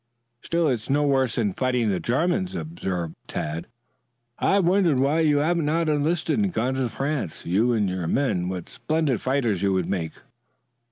"Still it is no worse than fighting the Germans," observed Tad. "I have wondered why you have not enlisted and gone to France, you and your men? What splendid fighters you would make."